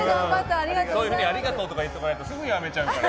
そういうふうに、ありがとうとか言っておかないとすぐ辞めちゃうから。